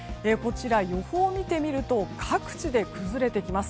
予報を見てみると各地で崩れてきます。